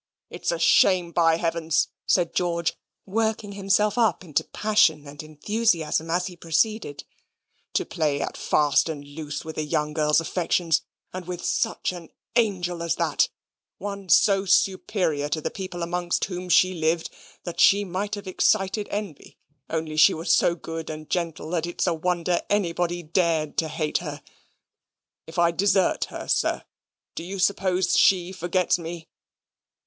It's a shame, by Heavens," said George, working himself up into passion and enthusiasm as he proceeded, "to play at fast and loose with a young girl's affections and with such an angel as that one so superior to the people amongst whom she lived, that she might have excited envy, only she was so good and gentle, that it's a wonder anybody dared to hate her. If I desert her, sir, do you suppose she forgets me?"